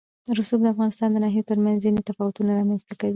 رسوب د افغانستان د ناحیو ترمنځ ځینې تفاوتونه رامنځ ته کوي.